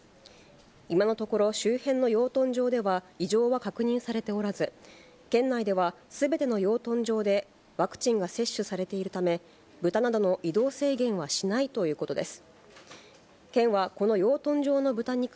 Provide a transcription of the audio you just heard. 今のところ、周辺の養豚場では異常は確認されておらず、県内では、すべての養豚場でワクチンが接種されているため、豚などの移動制限はしないということです。